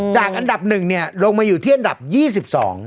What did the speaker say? อันดับหนึ่งเนี่ยลงมาอยู่ที่อันดับยี่สิบสอง